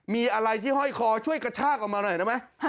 มีอะไรที่ห้อยคอช่วยกระชากออกมาหน่อยได้ไหม